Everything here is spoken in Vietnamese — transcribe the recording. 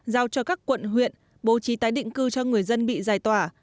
giao cho các quận huyện bố trí tái định cư cho người dân bị giải tỏa